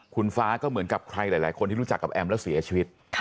คุณฟ้าก็เหมือนกับใครหลายคนที่รู้จักกับแอมแล้วเสียชีวิต